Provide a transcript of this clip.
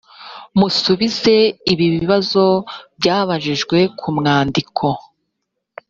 musubize ibi bibazo byabajijwe ku mwandiko